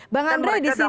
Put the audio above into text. bang andre di sini